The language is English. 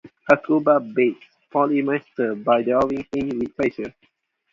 Hecuba baits Polymestor by drawing him in with treasure.